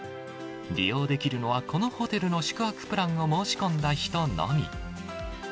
利用できるのはこのホテルの宿泊プランを申し込んだ人のみ。